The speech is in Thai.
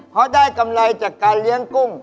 เพราะได้กำไรจากการเลี้ยงกุ้ง